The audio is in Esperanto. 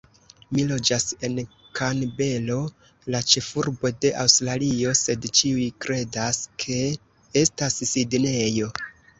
Mi loĝas en Kanbero, la ĉefurbo de Aŭstralio, sed ĉiuj kredas, ke estas Sidnejo!